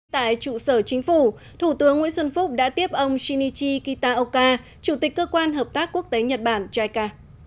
tại trụ sở chính phủ thủ tướng nguyễn xuân phúc đã tiếp ông shinichi kitaoka chủ tịch cơ quan hợp tác quốc tế nhật bản jica